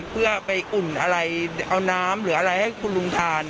เพื่อไปอุ่นอะไรเอาน้ำหรืออะไรให้คุณลุงทาน